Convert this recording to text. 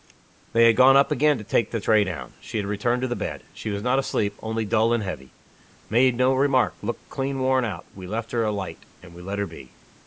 They had gone up again to take the tray down. She had returned to the bed. She was not asleep only dull and heavy. Made no remark. Looked clean worn out. We left her a light; and we let her be.